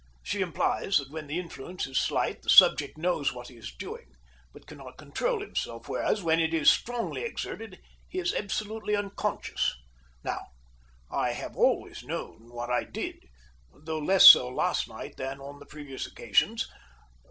She implies that when the influence is slight the subject knows what he is doing, but cannot control himself, whereas when it is strongly exerted he is absolutely unconscious. Now, I have always known what I did, though less so last night than on the previous occasions.